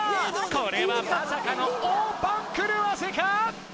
これはまさかの大番狂わせか？